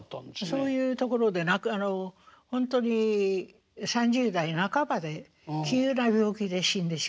そういうところであのほんとに３０代半ばで急な病気で死んでしまいました。